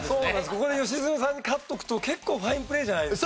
ここで良純さんに勝っとくと結構ファインプレーじゃないですか。